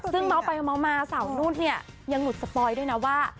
ซึ่งเมาส์ไปเมามาสาวนุ่นเนี่ยยังหลุดสปอยด้วยนะว่า